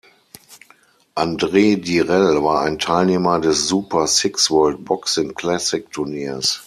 Andre Dirrell war ein Teilnehmer des Super Six World Boxing Classic Turniers.